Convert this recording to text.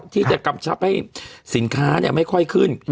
ที่จะกำชับให้สินค้าไม่ค่อยขึ้น